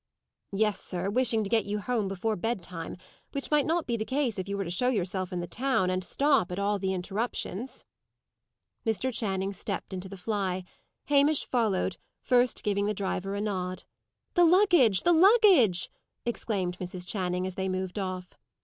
"Yes, sir, wishing to get you home before bed time, which might not be the case if you were to show yourself in the town, and stop at all the interruptions." Mr. Channing stepped into the fly. Hamish followed, first giving the driver a nod. "The luggage! The luggage!" exclaimed Mrs. Channing, as they moved off.